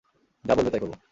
যা বলবে তাই করবো।